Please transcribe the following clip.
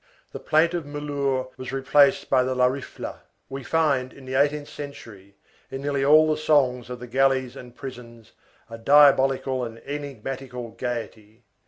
The plaintive maluré was replaced by the larifla. We find in the eighteenth century, in nearly all the songs of the galleys and prisons, a diabolical and enigmatical gayety.